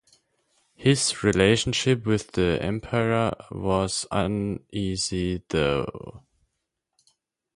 His relationship with the emperor was uneasy though.